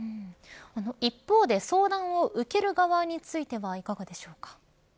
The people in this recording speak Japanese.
一方で相談を受ける側についてはいかがでしょうか。